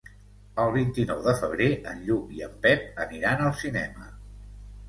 El vint-i-nou de febrer en Lluc i en Pep aniran al cinema.